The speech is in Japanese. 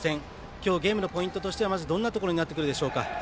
今日ゲームのポイントとしてはどんなところになってくるでしょうか。